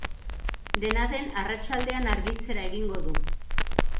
Dena den, arratsaldean argitzera egingo du.